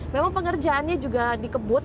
memang pengerjaannya juga dikebut